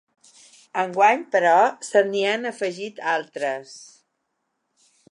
Enguany, però se n’hi han afegit altres.